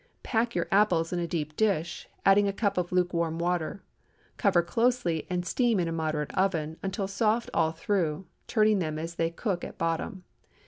Pack your apples in a deep dish, adding a cup of lukewarm water; cover closely and steam in a moderate oven until soft all through, turning them as they cook at bottom.